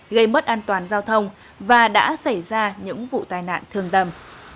gây mất an toàn giao thông và đã xảy ra những vụ tai nạn thường tầm